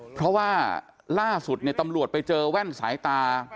เพราะว่าล่าสุดตำรวจไปเจอแว่นสายตา